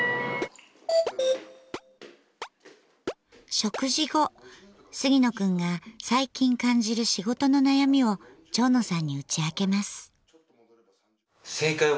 食事後杉野くんが最近感じる仕事の悩みを蝶野さんに打ち明けます。